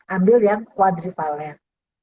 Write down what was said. ambil yang quadrivalen